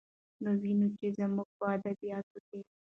نو وينو، چې زموږ په ادبياتو کې